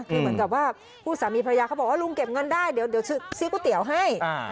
คือเหมือนกับว่าผู้สามีภรรยาเขาบอกว่าลุงเก็บเงินได้เดี๋ยวซื้อก๋วยเตี๋ยวให้